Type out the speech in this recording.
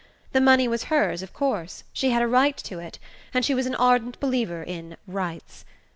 The money was hers, of course; she had a right to it, and she was an ardent believer in "rights."